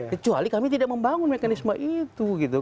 kecuali kami tidak membangun mekanisme itu gitu